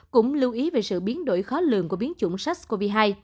cũng lưu ý về sự biến đổi khó lường của biến chủng sars cov hai